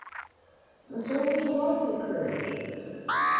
The soldiers lost their courage.